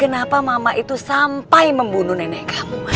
kenapa mama itu sampai membunuh nenek kamu